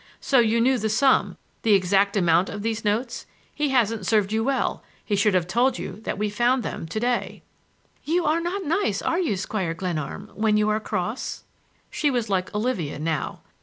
"So you knew the sum—the exact amount of these notes. He hasn't served you well; he should have told you that we found them to day." "You are not nice, are you, Squire Glenarm, when you are cross?" She was like Olivia now.